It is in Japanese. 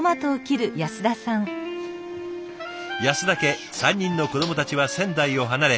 安田家３人の子どもたちは仙台を離れそれぞれ独立。